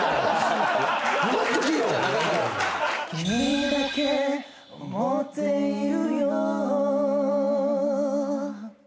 「君だけ．．．想っているよ」